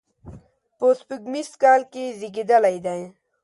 په سپوږمیز کال کې زیږېدلی دی.